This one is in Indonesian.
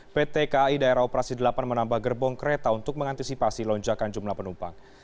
pt kai daerah operasi delapan menambah gerbong kereta untuk mengantisipasi lonjakan jumlah penumpang